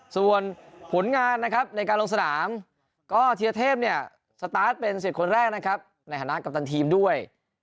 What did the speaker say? ส่วนผลงานนะครับในการลงสนามก็เทียเทพเนี่ยสตาร์ทเป็นสิทธิ์คนแรกนะครับในฐานะกัปตันทีมด้วย